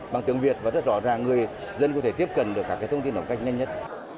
bằng tiếng việt và rất rõ ràng người dân có thể tiếp cận được các thông tin một cách nhanh nhất